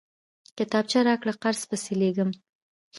کتابچه راکړه، قرض پسې ليکم!